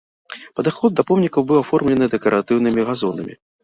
Падыход да помніка быў аформлены дэкаратыўнымі газонамі.